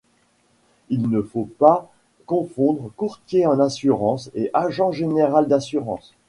Il ne faut pas confondre courtier en assurances et agent général d'assurance.